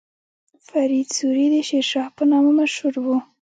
فرید سوري د شیرشاه په نامه مشهور و.